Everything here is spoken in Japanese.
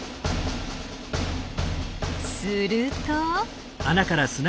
すると？